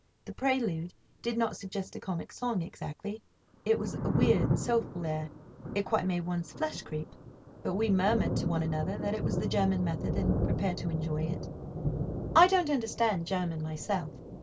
The prelude did not suggest a comic song exactly. It was a weird, soulful air. It quite made one's flesh creep; but we murmured to one another that it was the German method, and prepared to enjoy it. I don't understand German myself.